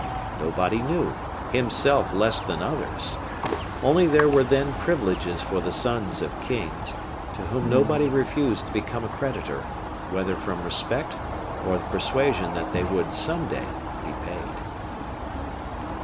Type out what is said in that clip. Nobody knew; himself less than others. Only there were then privileges for the sons of kings, to whom nobody refused to become a creditor, whether from respect or the persuasion that they would some day be paid.